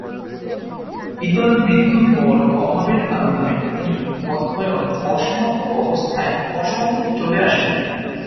পিতার মৃত্যুর পর অভাবের তারণায় তিনি অধ্যয়ন অসমাপ্ত অবস্থায় অসম চলে আসেন।